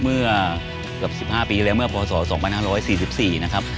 เมื่อเกือบ๑๕ปีแล้วเมื่อพศ๒๕๔๔นะครับ